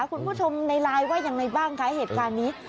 คุณผู้ชมในไลน์ว่ายังไงบ้างคะเหตุการณ์นี้